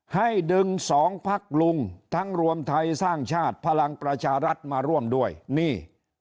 ให้ดึงสองพักลุงทั้งรวมไทยสร้างชาติพลังประชารัฐมาร่วมด้วยนี่